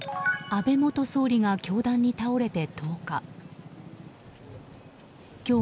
安倍元総理が凶弾に倒れて１０日。